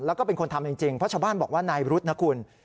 แล้วก็เป็นคนทำจริงเพราะชาวบ้านบอกว่านายรุธนะคุณ